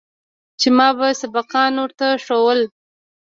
چې ما به سبقان ورته ښوول.